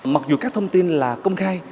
mặc dù các thông tin là công khai